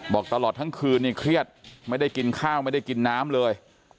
บอกตลอดทั้งคืนนี่เครียดไม่ได้กินข้าวไม่ได้กินน้ำเลย